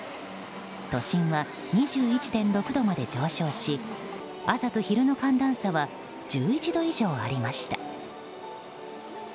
都心は２１．６度まで上昇し朝と昼の寒暖差は１１度以上ありました。